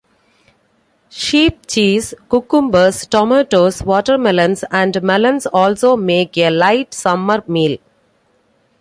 Sheep cheese, cucumbers, tomatoes, watermelons and melons also make a light summer meal.